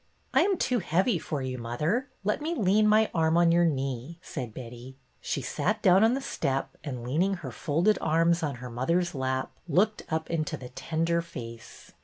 I am too heavy for you, mother. Let me lean my arm on your knee," said Betty. She sat down on the step, and, leaning her folded arms on her mother's lap, looked up into the tender face.